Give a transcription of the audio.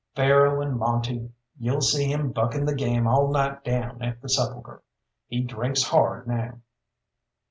"Faro and monte you'll see him bucking the game all night down at the Sepulchre. He drinks hard now."